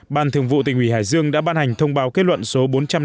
ban thường vụ tỉnh ủy hải dương đã ban hành thông báo kết luận số bốn trăm năm mươi